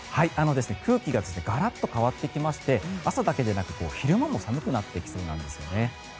空気がガラッと変わってきまして朝だけでなく昼間も寒くなってきそうなんです。